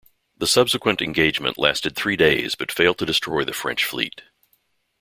The subsequent engagement lasted three days but failed to destroy the French fleet.